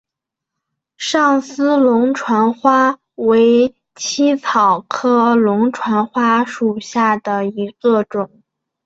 上思龙船花为茜草科龙船花属下的一个种。